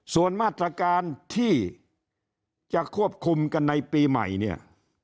ส่วนมาตรการที่จะควบคุมกันในปีใหม่เนี่ย